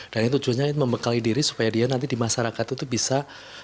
dan itu tujuannya membekali diri supaya dia nanti di masyarakat itu bisa